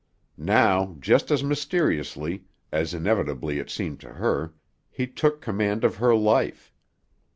Now, just as mysteriously, as inevitably it seemed to her, he took command of her life.